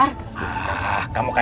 nggak usah bayar ya